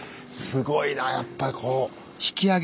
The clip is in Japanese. すごいなやっぱりこう。